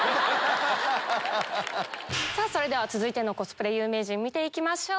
それでは続いてのコスプレ有名人見ていきましょう。